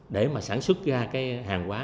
để mà sản xuất ra cái hàng hóa